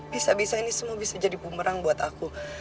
bisa bisa ini semua bisa jadi bumerang buat aku